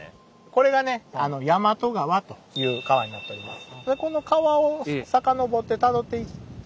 これがね「大和川」という川になっております。